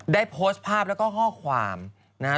ได้โพสต์ภาพแล้วก็ข้อความนะฮะ